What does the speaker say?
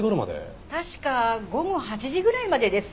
確か午後８時ぐらいまでです。